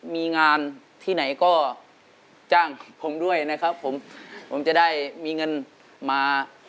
มีงานที่ไหนก็จ้างผมด้วยนะครับผมผมจะได้มีเงินมา